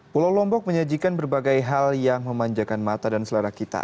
pulau lombok menyajikan berbagai hal yang memanjakan mata dan selera kita